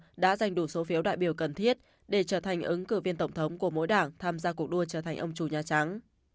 tổng thống trump đã giành đủ số phiếu đại biểu cần thiết để trở thành ứng cử viên tổng thống của mỗi đảng tham gia cuộc đua trở thành ông chú nhà trắng